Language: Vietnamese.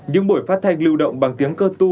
những buổi phát thanh lưu động bằng tiếng cơ tu